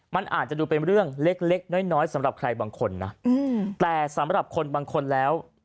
มันอาจจะดูเป็นเรื่องเล็กเล็กน้อยสำหรับใครบางคนนะแต่สำหรับคนบางคนแล้ว